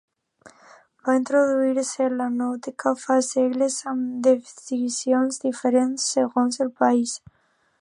Va introduir-se en la nàutica fa segles amb definicions diferents segons el país.